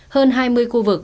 hơn hai mươi khu vực